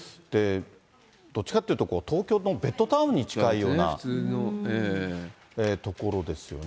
どっちかっていうと、東京のベッドタウンに近いような所ですよね。